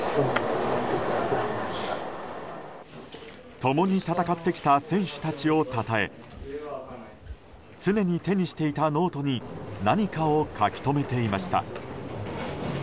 共に戦ってきた選手たちをたたえ常に手にしていたノートに何かを書き留めていました。